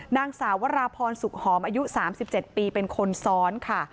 นางสาววราพรสุขหอมอายุ๓๗ปีเป็นคนซ้อนค่ะ